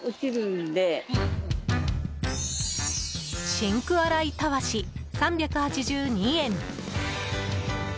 シンク洗いタワシ、３８２円。